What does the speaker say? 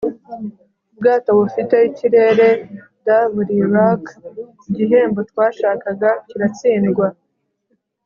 ubwato bufite ikirere'd buri rack, igihembo twashakaga kiratsindwa